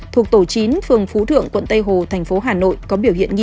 thuộc tổ chính phường phú tây hồ